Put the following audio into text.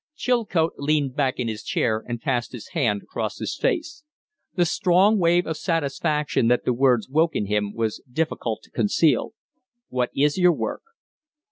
Chilcote leaned back in his chair and passed his hand across his face. The strong wave of satisfaction that the words woke in him was difficult to conceal. "What is your work?"